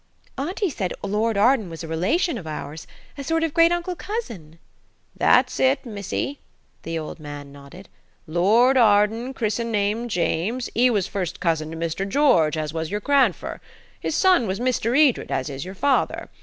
"Auntie said Lord Arden was a relation of ours–a sort of great uncle–cousin." "That's it, missy," the old man nodded. "Lord Arden–chrissen name James–'e was first cousin to Mr. George as was your grandf'er. His son was Mr. Edred, as is your father.